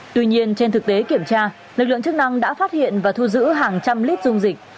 tuy nhiên trên thực tế kiểm tra lực lượng chức năng đã phát hiện và thu giữ hàng trăm lít dung dịch